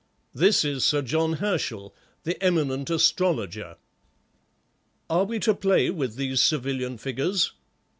This is Sir John Herschel, the eminent astrologer." "Are we to play with these civilian figures?"